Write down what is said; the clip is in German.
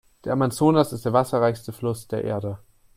Der Amazonas ist der Wasserreichste Fluss der Erde.